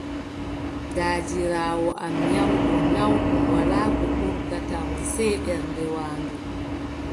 Daadiraawo am nyawɗo naawɗum, wolaa ko hurgata mo sey ɓernde waandu.